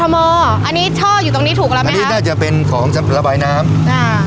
อันนี้ช่ออยู่ตรงนี้ถูกแล้วไหมอันนี้น่าจะเป็นของระบายน้ำอ่า